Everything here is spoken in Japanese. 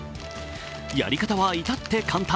やり方は至って簡単。